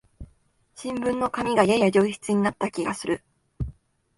新聞の紙がやや上質になった気がする